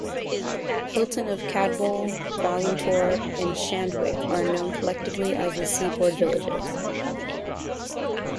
Hilton of Cadboll, Balintore, and Shandwick are known collectively as the Seaboard Villages.